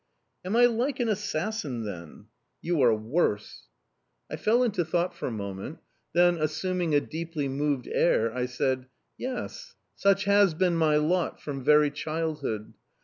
"Am I like an assassin, then?"... "You are worse"... I fell into thought for a moment; then, assuming a deeply moved air, I said: "Yes, such has been my lot from very childhood!